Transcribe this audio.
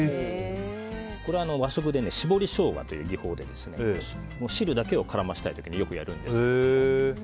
これは和食で絞りショウガという技法で汁だけを絡ませたい時によくやるんです。